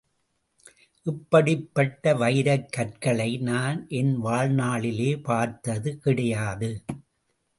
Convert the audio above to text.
இப்படிப்பட்ட வைரக் கற்களை நான் என் வாழ்நாளிலே பார்த்தது கிடையாது!